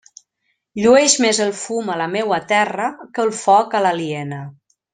Llueix més el fum a la meua terra que el foc a l'aliena.